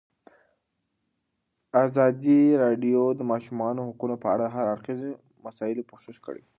ازادي راډیو د د ماشومانو حقونه په اړه د هر اړخیزو مسایلو پوښښ کړی.